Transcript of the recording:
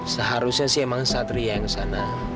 seharusnya sih emang satria yang sana